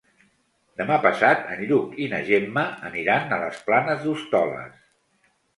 Demà passat en Lluc i na Gemma aniran a les Planes d'Hostoles.